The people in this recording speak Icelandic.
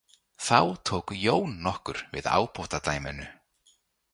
Þá tók Jón nokkur við ábótadæminu.